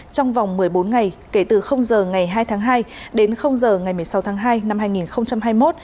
trong vòng một mươi bốn ngày kể từ giờ ngày hai tháng hai đến giờ ngày một mươi sáu tháng hai năm hai nghìn hai mươi một